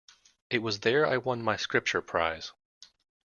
It was there I won my Scripture prize.